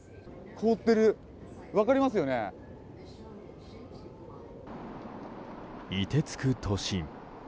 凍てつく都心。